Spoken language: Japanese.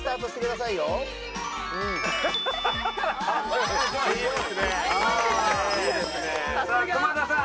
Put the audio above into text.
さあ熊田さん。